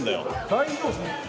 大丈夫？